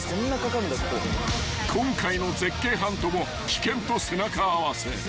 ［今回の絶景ハントも危険と背中合わせ］